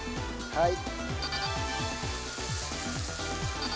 はい。